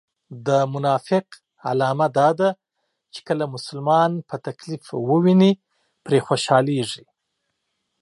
د منافق علامه دا ده چې کله مسلمان په تکليف و ويني پرې خوشحاليږي